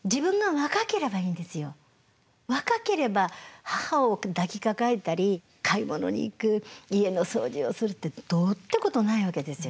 若ければ母を抱きかかえたり買い物に行く家の掃除をするってどうってことないわけですよ